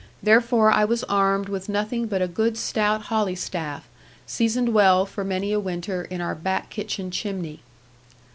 Therefore I was armed with nothing but a good stout holly staff, seasoned well for many a winter in our back kitchen chimney.